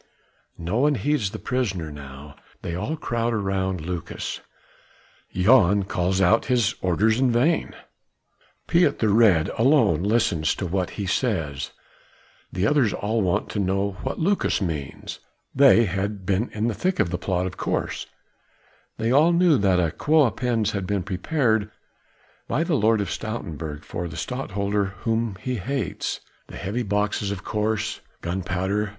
No one heeds the prisoner now. They all crowd around Lucas. Jan calls out his orders in vain: Piet the Red alone listens to what he says, the others all want to know what Lucas means. They had been in the thick of a plot of course, they all knew that: a guet apens had been prepared by the Lord of Stoutenburg for the Stadtholder whom he hates. The heavy boxes of course gunpowder